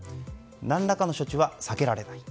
何らかの処置は避けられない。